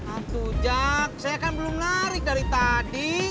aduh jack saya kan belum lari dari tadi